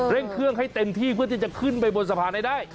เร่งเครื่องให้เต็มที่เพื่อที่จะขึ้นไปบนสะพานให้ได้